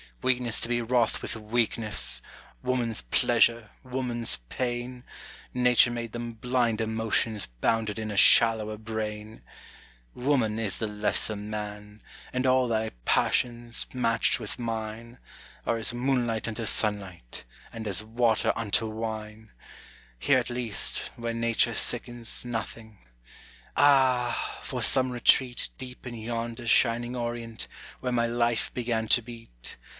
Weakness to be wroth with weakness! woman's pleasure, woman's pain Nature made them blinder motions bounded in a shallower brain; Woman is the lesser man, and all thy passions, matched with mine, Are as moonlight unto sunlight, and as water unto wine Here at least, where nature sickens, nothing. Ah for some retreat Deep in yonder shining Orient, where my life began to beat!